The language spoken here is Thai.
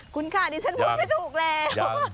คุณค่ะดิฉันพูดไม่ถูกแล้ว